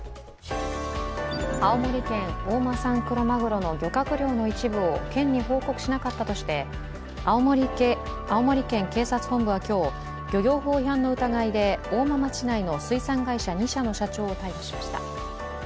青森県大間産クロマグロの漁獲量の一部を県に報告しなかったとして青森県警察本部は今日、漁業法違反の疑いで大間町内の水産会社２社の社長を逮捕しました。